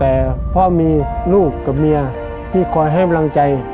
แต่พ่อมีลูกกับเมียที่คอยให้กำลังใจ